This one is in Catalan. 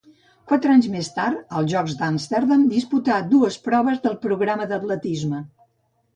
Quatre anys més tard, als Jocs d'Amsterdam, disputà dues proves del programa d'atletisme.